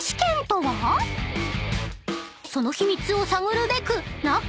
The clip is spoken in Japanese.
［その秘密を探るべく中へ］